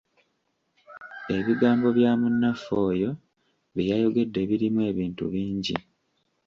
Ebigambo bya munnaffe oyo bye yayogedde birimu ebintu bingi.